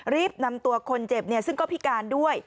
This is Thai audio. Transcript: รีบนำตัวคนเจ็บซึ่งก็พิการด้วย